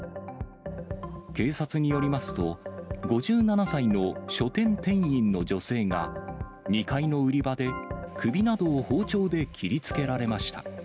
警察によりますと、５７歳の書店店員の女性が、２階の売り場で首などを包丁で切りつけられました。